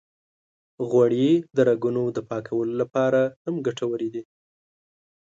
غوړې د رګونو د پاکولو لپاره هم ګټورې دي.